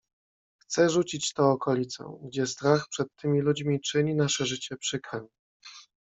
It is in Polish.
"Chce rzucić te okolicę, gdzie strach przed tymi ludźmi czyni nasze życie przykrem."